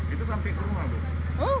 itu sampai ke rumah